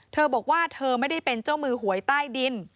เธอบอกว่าเธอไม่ได้เป็นเจ้ามือหวยใต้ดิน